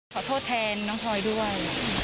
ขอโทษแทนน้องพลอยด้วย